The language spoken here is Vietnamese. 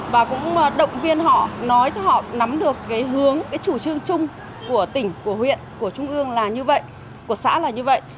và cũng động viên họ nói cho họ nắm được cái hướng cái chủ trương chung của tỉnh của huyện của trung ương là như vậy của xã là như vậy